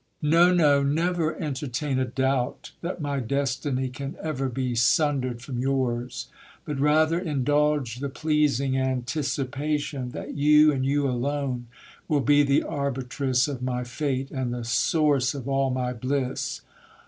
Xo, no, never enter tain a doubt that my destiny can ever be sundered from yours, but rather indulge the pleasing anticipation, that you, and you alone, will be the arbitress of my fate, and the source of all my bliss.